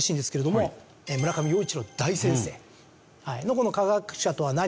この『科学者とは何か』って。